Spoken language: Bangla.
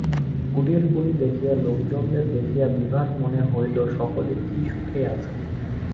কুটিরগুলি দেখিয়া, লোকজনদের দেখিয়া বিভার মনে হইল সকলে কী সুখেই আছে।